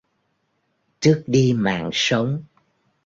tước đi mạng sống